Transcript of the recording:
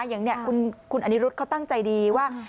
อย่างนี้คุณอนิรุธเขาตั้งใจดีว่า